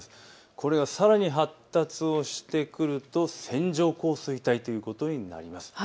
これがさらに発達をしてくると線状降水帯ということになります。